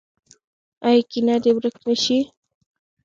آیا کینه دې ورک نشي؟